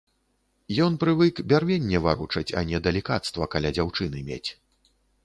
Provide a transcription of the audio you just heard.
Ён прывык бярвенне варочаць, а не далікацтва каля дзяўчыны мець.